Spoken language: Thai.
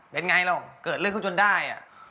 เป็นไงล่ะเกิดเรื่องขึ้นจนด้ายอ่ะ